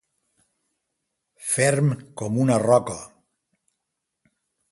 Ferm com una roca.